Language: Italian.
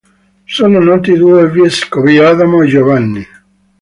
Sono noti due vescovi, Adamo e Giovanni.